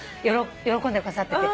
喜んでくださってて。